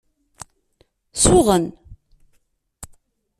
Suɣen.